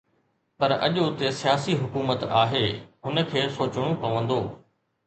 پر اڄ اتي سياسي حڪومت آهي“ هن کي سوچڻو پوندو